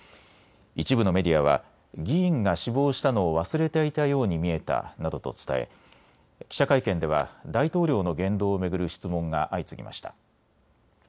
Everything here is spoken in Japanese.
一部のメディアは議員が死亡したのを忘れていたように見えたなどと伝え記者会見では大統領の言動を巡る質問が相次ぎました。